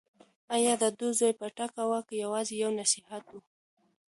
ایا دا د زوی پټکه وه که یوازې یو نصیحت و؟